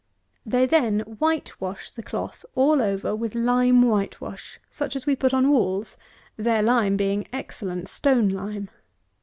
They then white wash the cloth all over with lime white wash, such as we put on walls, their lime being excellent stone lime.